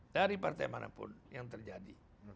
dari partai manapun yang terjadi